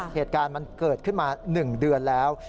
เหตุการณ์มันเกิดขึ้นมา๑เดือนแล้ว